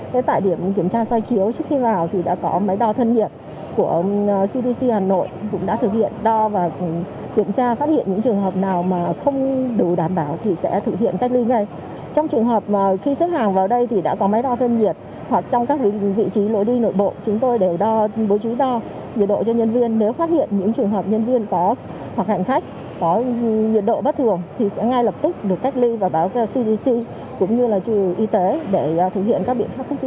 đến tại điểm kiểm tra xoay chiếu trước khi vào thì đã có máy đo thân nhiệt của ctc hà nội cũng đã thực hiện đo và kiểm tra phát hiện những trường hợp nào mà không đủ đảm bảo thì sẽ thực hiện cách ly ngay trong trường hợp khi xếp hàng vào đây thì đã có máy đo thân nhiệt hoặc trong các vị trí lối đi nội bộ chúng tôi để đo bố trí đo nhiệt độ cho nhân viên nếu phát hiện những trường hợp nhân viên có hoặc hạn khách có nhiệt độ bất thường thì sẽ ngay lập tức được cách ly và báo cho ctc cũng như là chủ y tế để thử nghiệm